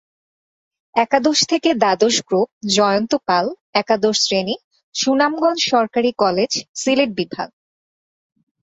একাদশ থেকে দ্বাদশ গ্রুপ: জয়ন্ত পাল, একাদশ শ্রেণি, সুনামগঞ্জ সরকারি কলেজ; সিলেট বিভাগ।